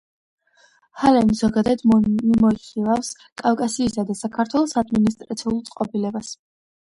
ჰალენი ზოგადად მიმოიხილავს კავკასიისა და საქართველოს ადმინისტრაციულ წყობილებას.